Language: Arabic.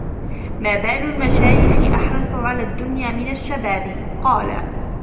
مَا بَالُ الْمَشَايِخِ أَحْرِصُ عَلَى الدُّنْيَا مِنْ الشَّبَابِ ؟ قَالَ